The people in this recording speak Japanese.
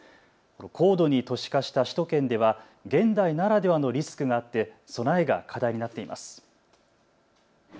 高度に都市化した首都圏では現代ならではのリスクがあって備えが課題になっています。